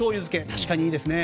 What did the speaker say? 確かにいいですね。